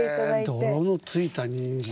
へえ泥のついたにんじん。